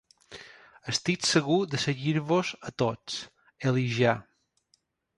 Estic segur de seguir-vos a tots, Elijah.